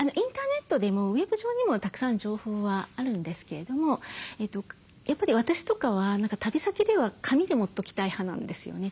インターネットでもウェブ上にもたくさん情報はあるんですけれどもやっぱり私とかは旅先では紙で持っときたい派なんですよね。